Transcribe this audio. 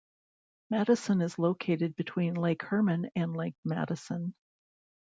Madison is located between Lake Herman and Lake Madison.